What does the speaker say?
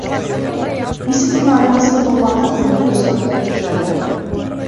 Нисек кенә аяныслы булмаһын, бындай осраҡтар йышая.